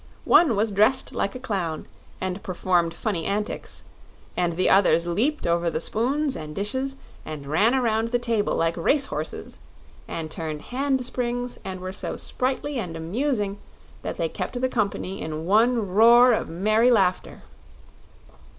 One was dressed like a clown, and performed funny antics, and the others leaped over the spoons and dishes and ran around the table like race horses, and turned hand springs and were so sprightly and amusing that they kept the company in one roar of merry laughter.